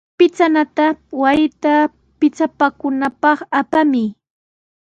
Pichanata wasita pichapakunapaq apamuy.